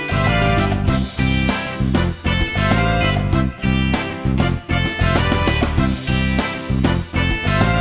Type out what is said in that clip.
นี่